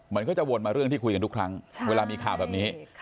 มันก็จะวนมาเรื่องที่คุยกันทุกครั้งเวลามีข่าวแบบนี้